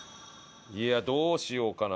いやどうしようかな。